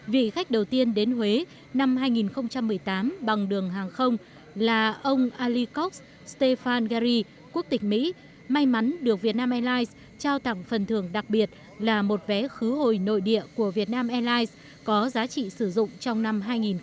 vì khách đầu tiên đến huế năm hai nghìn một mươi tám bằng đường hàng không là ông ali cox stéphane gary quốc tịch mỹ may mắn được vietnam airlines trao tặng phần thưởng đặc biệt là một vé khứ hồi nội địa của vietnam airlines có giá trị sử dụng trong năm hai nghìn một mươi tám